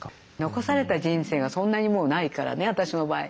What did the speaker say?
残された人生がそんなにもうないからね私の場合。